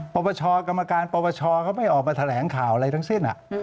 ปปชกรรมการปปชเขาไม่ออกมาแถลงข่าวอะไรทั้งสิ้น